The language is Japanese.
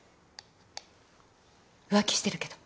浮気してるけど。